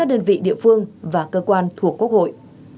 các đơn vị địa phương và cơ quan thuộc quốc hội